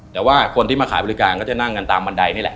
แต่ว่าคนที่มาขายบริการก็จะนั่งกันตามบันไดนี่แหละ